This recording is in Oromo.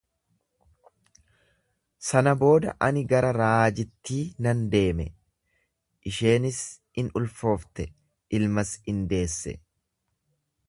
Sana booda ani gara raajittii nan deeme, isheenis in ulfoofte, ilmas in deesse.